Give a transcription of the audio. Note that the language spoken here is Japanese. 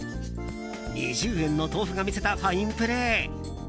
２０円の豆腐が見せたファインプレー。